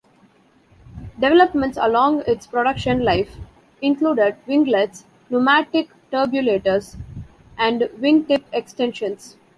Developments along its production life included winglets, pneumatic turbulators, and wingtip extensions.